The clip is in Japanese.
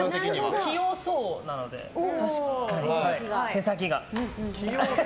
器用そうなので、手先が。